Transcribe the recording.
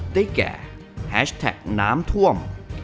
ได้แก่แฮชแท็กน้ำท่วม